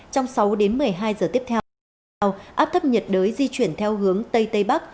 trong sáu đến một mươi hai giờ tiếp theo áp thấp nhiệt đới di chuyển theo hướng tây tây bắc